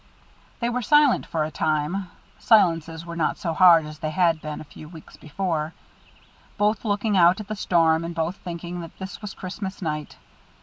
They were silent for a time silences were not so hard as they had been, a few weeks before both looking out at the storm, and both thinking that this was Christmas night.